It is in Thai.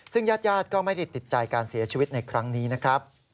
ซึ่งญาติญาติก็ไม่ได้ติดใจการเสียชีวิตในครั้งนี้นะครับ